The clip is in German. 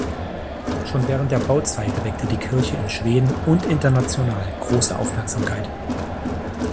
Schon während der Bauzeit weckte die Kirche in Schweden und international große Aufmerksamkeit.